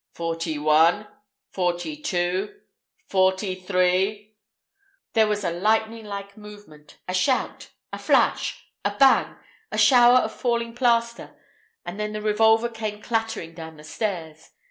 "Forty one, forty two, forty three—" There was a lightning like movement—a shout—a flash—a bang—a shower of falling plaster, and then the revolver came clattering down the stairs.